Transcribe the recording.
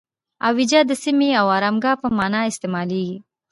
اویجه د سیمې او آرامګاه په معنی استعمالیږي.